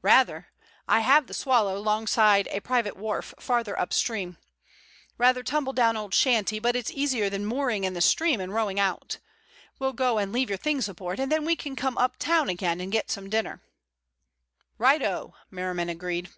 "Rather. I have the Swallow 'longside a private wharf farther up stream. Rather tumble down old shanty, but it's easier than mooring in the stream and rowing out. We'll go and leave your things aboard, and then we can come up town again and get some dinner." "Right o," Merriman agreed.